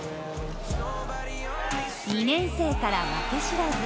２年生から負け知らず。